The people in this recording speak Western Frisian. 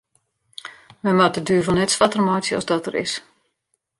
Men moat de duvel net swarter meitsje as dat er is.